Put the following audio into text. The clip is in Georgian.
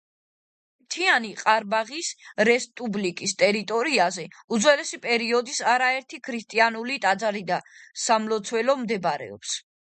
მთიანი ყარაბაღის რესპუბლიკის ტერიტორიაზე უძველესი პერიოდის არაერთი ქრისტიანული ტაძარი და სამლოცველო მდებარეობს.